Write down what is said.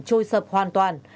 trôi sập hoàn toàn